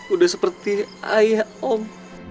udah seperti ayah om